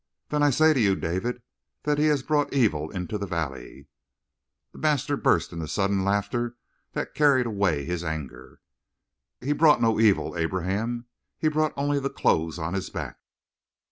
"Then I say to you, David, that he has brought evil into the valley." The master burst into sudden laughter that carried away his anger. "He brought no evil, Abraham. He brought only the clothes on his back."